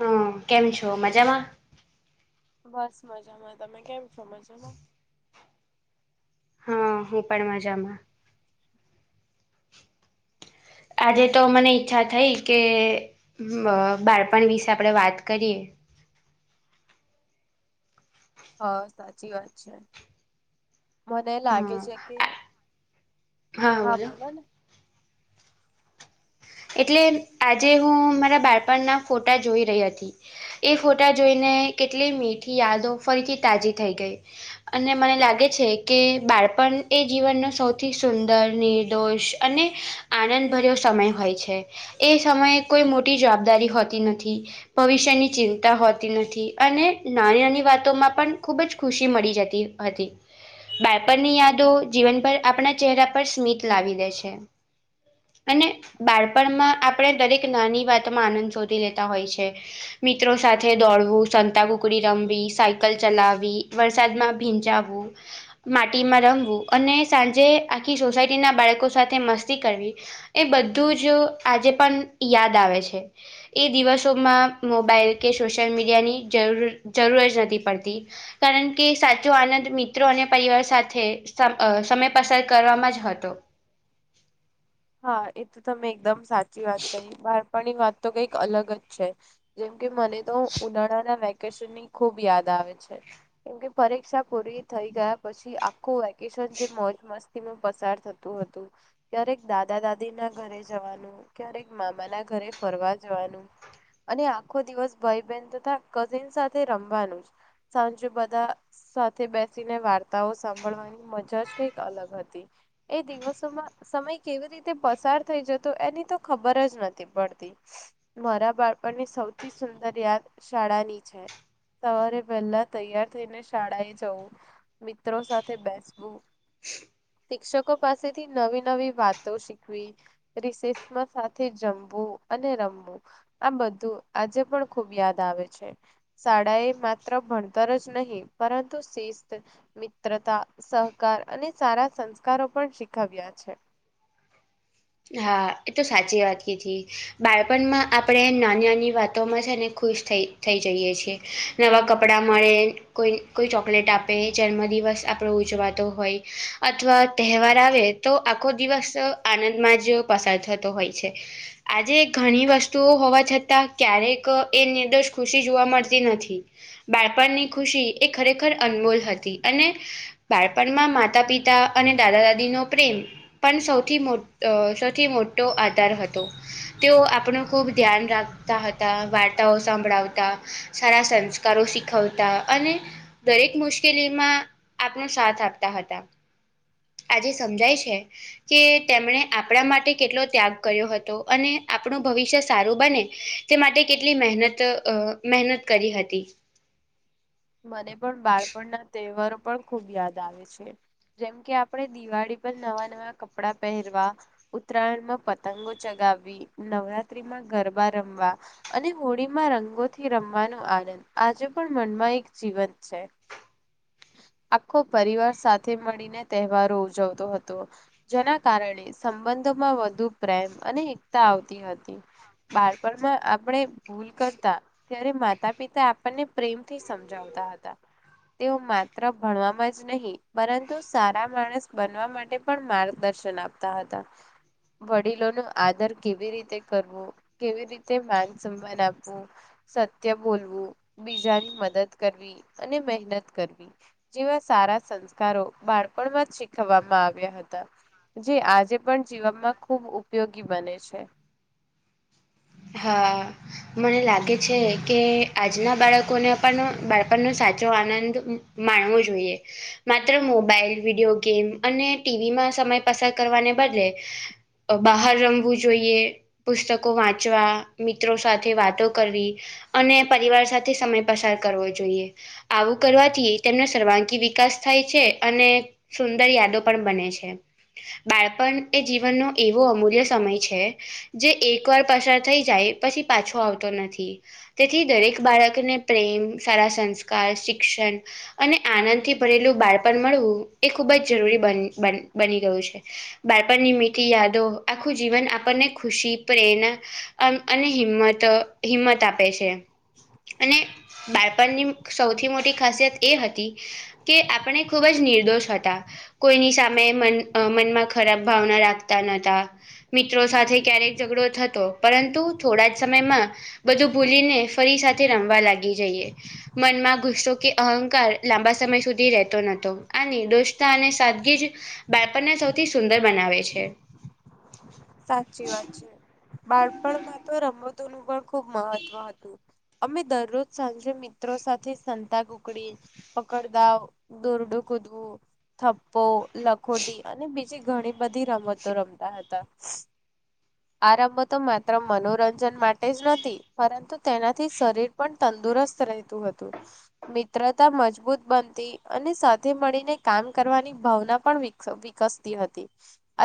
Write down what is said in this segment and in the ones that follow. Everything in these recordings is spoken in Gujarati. હઅ, કેમ છો મજામાં. બસ મજામાં તમે કેમ છો મજામાં. હા, હું પણ મજામાં. આજે તો મને ઈચ્છા થઈ કે બાળપણ વિશે આપણે વાત કરીએ. હ, સાચી વાત છે. મને લાગે હા છે કે હા બોલો ને. એટલે આજે હું મારા બાળપણના ફોટા જોઈ રહી હતી. એ ફોટા જોઈને કેટલી મીઠી યાદો ફરીથી તાજી થઈ ગઈ. અને મને લાગે છે કે બાળપણ એ જીવનનો સૌથી સુંદર નિર્દોષ અને આનંદ ભર્યોસમય હોય છે. એ સમયે કોઈ મોટી જવાબદારી હોતી નથી. ભવિષ્યની ચિંતા હોતી નથી અને નાની- નાની વાતોમાં પણ ખૂબ જ ખુશી મળી જતી હતી. બાળપણની યાદો જીવન પર આપણા ચહેરા પર સ્મિત લાવી દે છે. અને બાળપણમાં આપણે દરેક નાની વાતમાં આનંદ શોધી લેતા હોય છે. મિત્રો સાથે દોડવું, સંતાકુકડી રમવી, સાયકલ ચલાવવી, વરસાદમાં ભીજાવવું. માટીમાં રમવું અને સાંજે આખી સોસાયટી ના બાળકો સાથે મસ્તી કરવી. એ બધું જ આજે પણ યાદ આવે છે. એ દિવસોમાં મોબાઈલ કે સોશિયલ મીડિયાની જરૂર- જરૂર જ નથી પડતી. કારણ કે સાચો આનંદ મિત્રો અને પરિવાર સાથે અ સમય પસાર કરવામાં જ હતો. હા, એ તો તમે એકદમસાચી વાત કહી. બાળપણની વાત તો કઈક અલગ જ છે. જેમ કે મને તો ઉનાળાના વેકેશન ની ખુબ યાદ આવે છે. કેમકે પરીક્ષા પૂરી થઈ ગયા પછી આખું વે વેકેશન જે મોજ મસ્તીમાં પસાર થતું હતું ત્યારેક દાદા -દાદી ના ઘરે જવાનું, ક્યારેક મામા ના ઘરે ફરવા જવાનું. અને આખો દિવસ ભાઈ બહેન તથા કઝિન સાથે રમવાનું જ. સાંજે બધા સાથે બેસીને વાર્તાઓ સાંભળવાની મજા જ કઈક અલગ હતી. એ દિવસોમાં સમય કેવી રીતે પસાર થઈ જતો એની તો ખબર જ નથી પડતી. મારા બાળપણની સૌથી સુંદર યાદ શાળાની છે. સવારે વહેલા તૈયાર થઈને શાળા એ જવું. મિત્રો સાથે બેસવું, શિક્ષકો પાસેથી નવી- નવી વાત તો શીખવી, રીસેસમા સાથે જમવું અને રમવું. આ બધું આજે પણ ખુબ યાદ આવે છે. શાળા એ માત્ર ભણતર જ નહીં પરંતુ શિસ્ત મિત્રતા, સહકાર અને સારા સંસ્કારો પણ શીખવ્યા છે. હા, એ તો સાચી વાત કીધી. બાળપણમાં આપણે નાની -નાની વાતોમાં છે ને ખુશ થઈ થઈ જઈએ છીએ. નવાં કપડાં મળે. કોઈ -કોઈ ચોકલેટ આપે, જન્મદિવસ આપણો ઉજવાતો હોય, અથવા તહેવાર આવે. તો આખો દિવસ આનંદમાં જ પસાર થતો હોય છે. આજે ઘણી વસ્તુઓ હોવા છતાં ક્યારેક એ નિર્દોષ ખુશી જોવા મળતી નથી. બાળપણની ખુશી એ ખરેખર અનમોલ હતી. અને બાળપણમાં માતા-પિતા અને દાદા-દાદી નો પ્રેમ પણ સૌથી મો સૌથી મોટો આધાર હતો. તેઓ આપણું ખુબ ધ્યાન રાખતા હતા. વાર્તાઓ સંંભળાવતા સારા સંસ્કારો શીખવતા અને દરેક મુશ્કેલીમાં આપનો સાથ આપતા હતા. આજે સમજાય છે કે તેમણે આપણા માટે કેટલો ત્યાગ કર્યો હતો અને આપણું ભવિષ્ય સારું બને તે માટે કેટલી મહેનત અ મહેનત કરી હતી. મને પણ બાળપણના તહેવારો પણ ખુબ યાદ આવે છે. જેમ કે આપડે દિવાળી પર નવા નવા કપડા પહેરવા ઉત્તરાયણમાં પતંગો ચગાવવી, નવરાત્રીમાં ગરબા રમવા અને હોળીમાં રંગોથી રમવાનો આનંદ આજે પણ મનમાં એક જીવંત છે. આખો પરિવાર સાથે મળીને તહેવારો ઉજવતો હતો. જેના કારણે સંબંધોમાં વધુ પ્રેમ અને એકતા આવતી હતી. બાળપણમાં આપણે ભૂલ કરતા ત્યારે માતા-પિતા આપણને પ્રેમ થી સમજાવતા હતા. તેઓ માત્ર ભણવામાં જ નહીં પરંતુ સારા માણસ બનવા માટે પણ માર્ગદર્શન આપતા હતા. વડીલો નું આદર કેવી રીતે કરવું, કેવી રીતે માન સન્માન આપવું, સત્ય બોલવું, બીજાની મદદ કરવી અને મહેનત કરવી જેવા સારા સંસ્કારો બાળપણમાં જ શીખવામાં આવ્યા હતા. જે આજે પણ જીવમ માં ખૂબ ઉપયોગી બને છે. હા. મને લાગે છે કે આજના બાળકોને પણ બાળપણનો સાચો આનંદ માણવું જોઈએ. માત્ર મોબાઈલ, વિડીયો ગેમ અને ટીવીમાં સમય પસાર કરવાને બદલે બહાર રમવું જોઈએ, પુસ્તકો વાંચ -ચવા, મિત્રો સાથે વાતો કરવી અને પરિવાર સાથે સમય પસાર કરવો જોઈએ. આવું કરવાથી તેમનો સર્વાગી વિકાસ થાય છે અને સુંદર યાદો પણ બને છે. બાળપણ એ જીવનનો એવો અમૂલ્ય સમય છે જે એક વાર પસાર થઈ જાય પછી પાછો આવતો નથી. તેથી દરેક બાળકને પ્રેમ, સારા સંસ્કાર, શિક્ષણ અને આનંદથી ભરેલું બાળપણ મળવું એ ખૂબ જ જરૂરી બન બન બની રહ્યું છે. બાળપણની મીઠી યાદો આખું જીવન આપણને ખુશી, પ્રેરણા, અને હિંમત હિંમત આપે છે અને બાળપણની સૌથી મોટી ખાસિયત એ હતી કે આપણે ખૂબ જ નિર્દોષ હતા. કોઈની સામે મન મનમાં ખરાબ ભાવના રાખતા નતા. મિત્રો સાથે ક્યારેક ઝઘડો થતો પરંતુ થોડા જ સમયમાં બધું ભૂલીને ફરી સાથે રમવા લાગી જઈએ. મનમાં ગુસ્સો કે અહંકાર લાંબા સમય સુધી રહેતો નહતો. આ નિર્દોષતા અને સાદગી જ બાળપણને સૌથી સુંદર બનાવે છે. સાચી વાત છે. બાળપણમાં તો રમતો નું પણ ખુબ મહત્વ હતું. અમે દરરોજ સાંજે મિત્રો સાથે સંતાકૂકડી પકડ દાવ, દોરડું કુદવું, થપ્પો લખોટી અને બીજી ઘણી બધી રમતો રમતા હતા. [inaudible] આ રમતો માત્ર મનોરંજન માટે જ નથી પરંતુ તેનાથી શરીર પણ તંદુરસ્ત રહેતું હતું. મિત્રતા મજબૂત બનતી અને સાથે મળીને કામ કરવાની ભાવના પણ વિક્સતી વિકસતી હતી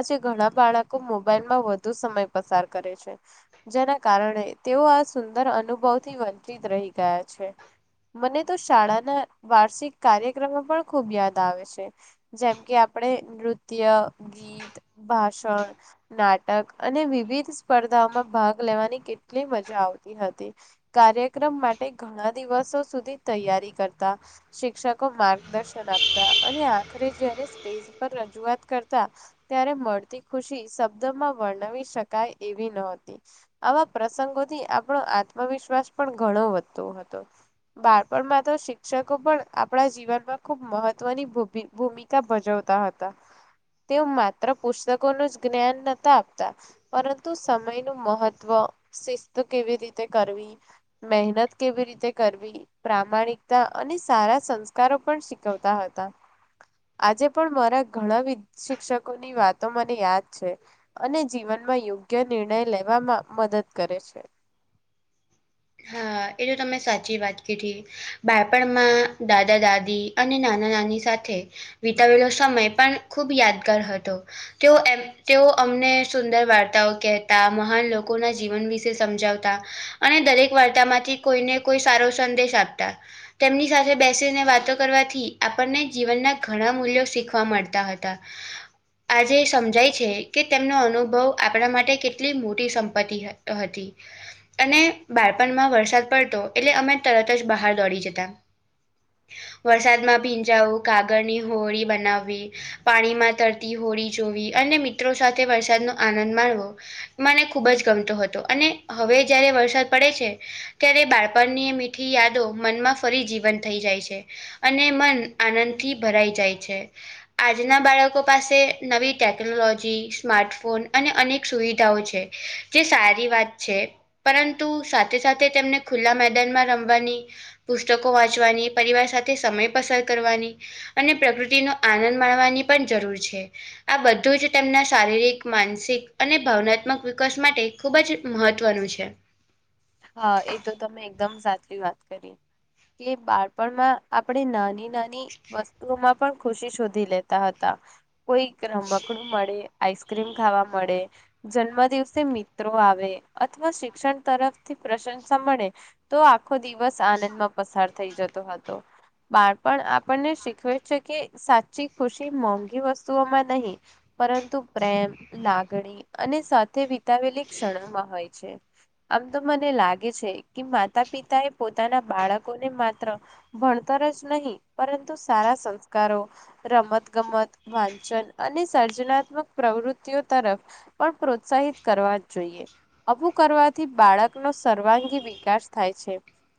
આજે ઘણા બાળકો મોબાઈલ માં વધુ સમય પસાર કરે છે. જેના કારણે તેઓ આ સુંદર અનુભવથી વંચિત રહી ગયા છે. મને તો શાળાના વાર્ષિક કાર્યક્રમો પણ ખુબ યાદ આવે છે. જેમ કે આપડે નૃત્ય, ગીત, ભાષણ. નાટક અને વિવિધ સ્પર્ધાઓમાં ભાગ લેવાની કેટલી મજા આવતી હતી. કાર્યક્રમ માટે ઘણા દિવસો સુધી તૈયારી કરતા. શિક્ષકો માર્ગદર્શન આપતા અને આખરે જયારે સ્ટેજ પર રજૂઆત કરતા. ત્યારે મળતી ખુશી શબ્દમાં વર્ણવી શકાય એવી ન હતી. આવા પ્રસંગોથી આપણો આત્મવિશ્વાસ પણ ઘણો વધતો હતો. બાળપણમાં તો શિક્ષકો પણ આપણા જીવનમાં ખૂબ મહત્વની ભૂમિ ભૂમિ કા ભજવતા હતા તેઓ માત્ર પુસ્તકોનું જ જ્ઞાન નતા આપતા. પરંતુ સમય નું મહત્વ, શિસ્ત કેવી રીતે કરવી. મહેનત કેવી રીતે કરવી. પ્રામાણિકતા અને સારા સંસ્કારો પણ શીખવતા હતા. આજે પણ મારા ઘણા વિ શિક્ષકોની વાતો મને યાદ છે અને જીવનમાં યોગ્ય નિર્ણય લેવામાં મદદ કરે છે. હા એ તો તમે સાચી વાત કીધી. બાળપણમાં દાદા દાદી અને નાના નાની સાથે વિતાવેલો સમય પણ ખૂબ યાદગાર હતો તેઓ એમ તેઓ અમને સુંદર વાર્તાઓ કહેતા મહાન લોકોના જીવન વિશે સમજાવતા અને દરેક વાર્તા માંથી કોઈને કોઈ સારો સંદેશ આપતા. તેમની સાથે બેસીને વાતો કરવાથી આપણને જીવનના ઘણા મૂલ્યો શીખવા મળતા હતા. આજે સમજાય છે કે તેમનો અનુભવ આપણા માટે કેટલી મોટી સંપત્તિ હ હતી અને બાળપણમાં વરસાદ પડતો એટલે અમે તરત જ બહાર દોડી જતા. વરસાદમાં ભીંજાવું, કાગળની હોળી બનાવવી. પાણીમાં તરતી હોળી જોવી અને મિત્રો સાથે વરસાદ નો આનંદ માણવો. મને ખૂબ જ ગમતો હતો અને હવે જયારે વરસાદ પડે છે ત્યારે બાળપણની મીઠી યાદો મનમાં ફરી જીવંત થઈ જાય છે. અને મન આનંદથી ભરાઈ જાય છે. આજના બાળકો પાસે નવી ટેકનોલોજી, સ્માર્ટફોન અને અનેક સુવિધાઓ છે જે સારી વાત છે પરં તુ સાથે સાથે તેમને ખુલ્લા મેદાનમાં રમવાની. પુસ્તકો વાંચવાની પરિવાર સાથે સમય પસાર કરવાની. અને પ્રકૃતિનો આનંદ માણવાની પણ જરૂર છે. આ બધું જ તેમને શારીરિક માનસિક અને ભાવનાત્મક વિકાસ માટે. ખૂબ જ મહત્ત્વનું છે. હા એ તો તમે એકદમ સાચી વાત કરી. કે બાળપણમાં આપણે નાની નાની વસ્તુઓમાં પણ ખુશી શોધી લેતા હતા કોઈ રમકડું મળે આઈસ્ક્રીમ ખાવા મળે જન્મ દિવસે મિત્રો આવે અથવા શિક્ષણ તરફ થી પ્રશંસા મળે તો આખો દિવસ આનંદમાં પસાર થઈ જતો હતો બાળપણ આપણને શીખવે છે કે સાચી ખુશી મોંઘી વસ્તુઓમાં નહી પરંતુ પ્રેમ લાગણી અને સાથે વિતાવેલી ક્ષણોમાં હોય છે આમ તો મને લાગે છે કે માતા પિતા એ પોતાના બાળકોને માત્ર ભણતર જ નહીં પરંતુ સારા સંસ્કારો રમત ગમત વાંચન અને સર્જનાત્મક પ્રવૃતિઓ તરફ પણ પ્રોત્સાહિત કરવા જ જોઈએ આવું કરવાથી બાળક નો સર્વાંગી વિકાસ થાય છે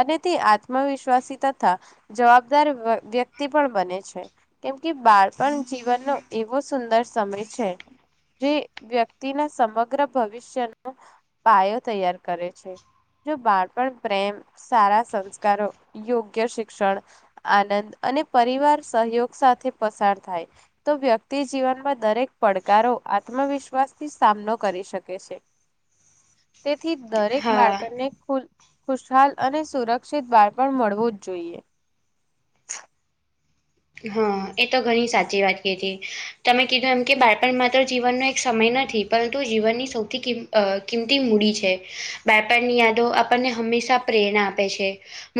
અને તે આત્મવિશ્વાસી તથા જવાબદાર વ્યક્તિ પણ બને છે કેમ કે બાળપણ જીવનનો એવો સુંદર સમય છે જે વ્યક્તિના સમગ્ર ભવિષ્ય નો પાયો તૈયાર કરે છે જો બાળપણ પ્રેમ સારા સંસ્કારો યોગ્ય શિક્ષણ આનંદ અને પરિવાર સહયોગ સાથે પસાર થાય તો વ્યક્તિ જીવનમાં દરેક પડકારો આત્મવિશ્વાસથી સામનો કરી શકે છે તેથી દરેક હા બાળકને ખુલ ખુશહાલ અને સુરક્ષિત બાળપણ મળવું જ જોઈએ હા એ તો ઘણી સાચી વાત કીધી તમે કીધું એમ કે બાળપણ માત્ર જીવનનો એક સમય નથી પરંતુ જીવનની સૌથી કિમ કિંમતી મૂડી છે બાળપણની યાદો આપણને હંમેશા પ્રેરણા આપે છે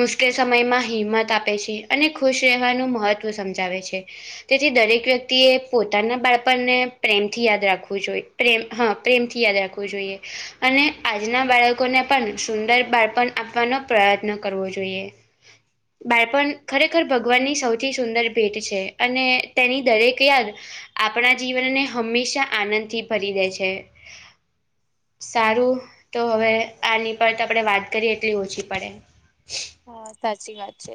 મુશ્કેલ સમયમાં હિંમત આપે છે અને ખુશ રહેવાનું મહત્વ સમજાવે છે તેથી દરેક વ્યક્તિ એ પોતાના બાળપણને પ્રેમથી યાદ રાખવું જોઈએ પ્રેમ હા પ્રેમથી યાદ રાખવું જોઈએ અને આજના બાળકોને પણ સુંદર બાળપણ આપવાનો પ્રયત્ન જોઈએ બાળપણ ખરેખર ભગવાન ની સૌથી થી સુંદર ભેટ છે અને તેની દરેક યાદ આપણા જીવનને હંમેશા આનંદથી ભરી દે છે સારું તો હવે આની પર આપણે વાત કરીએ એટલી ઓછી પડે સાચી વાત છે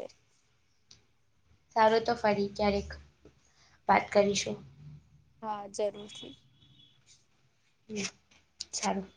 સારું તો ફરી ક્યારેક વાત કરીશું હા જરૂરથી હમ સારું